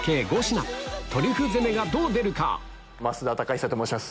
増田貴久と申します